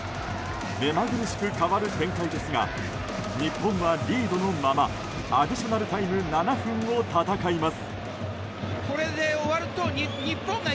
目まぐるしく変わる展開ですが日本は、リードのままアディショナルタイム７分を戦います。